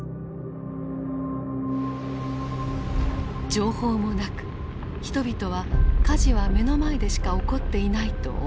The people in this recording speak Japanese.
情報もなく人々は火事は目の前でしか起こっていないと思い込んでいた。